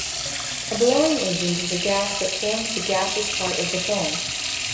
A blowing agent is a gas that forms the gaseous part of the foam.